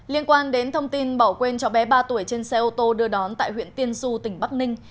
liên quan đến thông tin bỏ quên cháu bé ba tuổi trên xe ô tô đưa đón tại huyện tiên du tỉnh bắc ninh